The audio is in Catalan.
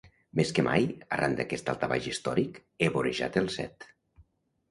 Més que mai, arran d'aquest daltabaix històric, he vorejat el Set.